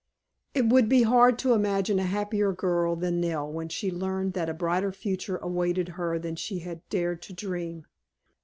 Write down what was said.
It would be hard to imagine a happier girl than Nell when she learned that a brighter future awaited her than she had dared to dream.